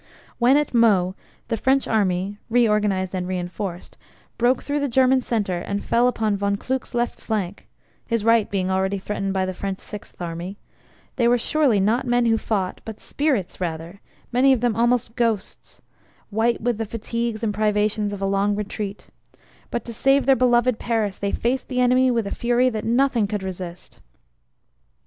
When at Meaux the French army (reorganized and reinforced) broke through the German centre and fell upon Von Kluck's left flank (his right being already threatened by the French Sixth Army), they were surely not men who fought, but spirits rather many of them almost ghosts, white with the fatigues and privations of a long retreat; but to save their beloved Paris they faced the enemy with a fury that nothing could resist.